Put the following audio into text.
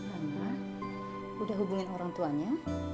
anak udah hubungin orang tuanya